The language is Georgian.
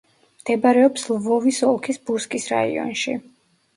მდებარეობს ლვოვის ოლქის ბუსკის რაიონში.